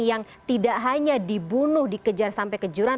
yang tidak hanya dibunuh dikejar sampai kejuran